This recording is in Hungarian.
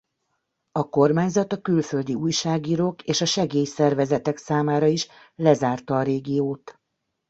A kormányzat a külföldi újságírók és a segélyszervezetek számára is lezárta a régiót.